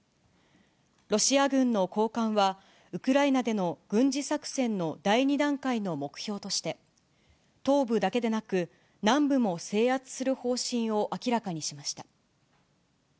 ロシア軍の高官は、ウクライナでの軍事作戦の第２段階の目標として、東部だけでなく、南部も制圧する方針を明らかにしました。